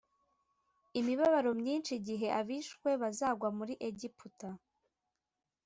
imibabaro myinshi igihe abishwe bazagwa muri egiputa